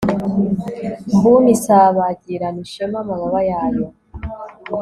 mbuni isabagirana ishema amababa yayo